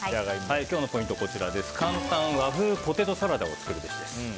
今日のポイントは簡単和風ポテトサラダを作るべしです。